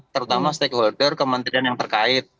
terutama stakeholder kementerian yang terkait